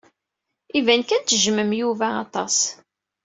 Iban kan tejjmem Yuba aṭas.